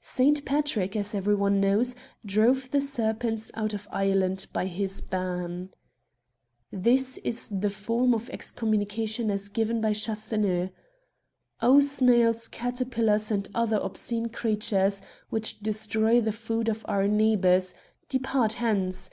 Saint Patrick, as every one knows, drove the serpents out of Ireland by his ban. This is the form of excommunication as given by Chasseneux :—" O snails, caterpillars, and other obscene creatures, which destroy the food of our neighbours, depart hence